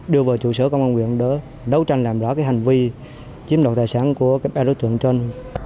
đưa vào chủ sở công an huyện để đấu tranh làm rõ cái hành vi chiếm đoàn tài sản của ba đối tượng trên